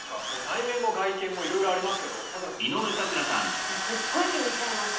内面も外見もいろいろありますけど咲楽さん気にしてます？